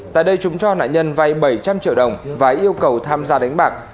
tại đây chúng cho nạn nhân vay bảy trăm linh triệu đồng và yêu cầu tham gia đánh bạc